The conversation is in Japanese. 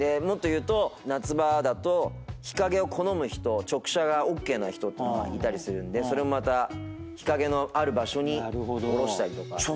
もっと言うと夏場だと日陰を好む人直射がＯＫな人ってのがいたりするんでそれもまた日陰のある場所に下ろしたりとか。